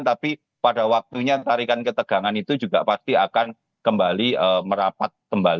tapi pada waktunya tarikan ketegangan itu juga pasti akan kembali merapat kembali